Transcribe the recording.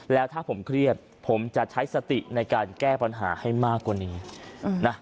แล้วถ้าผมเครียดผมจะใช้สติในการแก้ปัญหาให้มากกว่านี้นะ